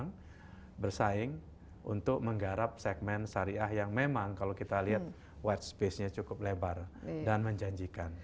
yang bersaing untuk menggarap segmen syariah yang memang kalau kita lihat white space nya cukup lebar dan menjanjikan